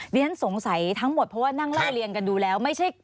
ดีต้อนที่สงสัยทั้งหมดเพราะว่านั่งล่าเรียงกันดูแล้ว